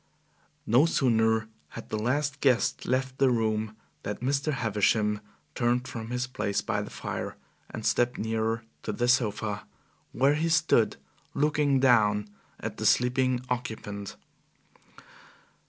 No sooner had the last guest left the room, than Mr. Havisham turned from his place by the fire, and stepped nearer the sofa, where he stood looking down at the sleeping occupant.